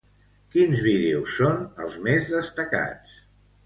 Quins vídeos són els més destacats?